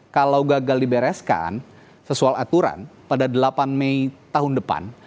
kalau gagal dibereskan sesuai aturan pada delapan mei tahun depan